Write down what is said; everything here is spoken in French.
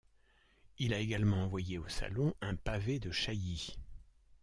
Il a également envoyé au salon un pavé de Chailly.